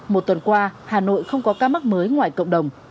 một tuần qua hà nội không có ca mắc mới ngoài cộng đồng